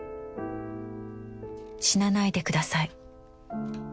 『死なないでください』